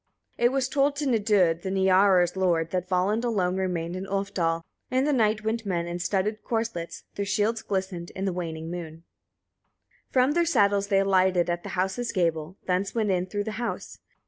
6. It was told to Nidud, the Niarars' lord, that Volund alone remained in Ulfdal. In the night went men, in studded corslets, their shields glistened in the waning moon. 7. From their saddles they alighted at the house's gable, thence went in through the house.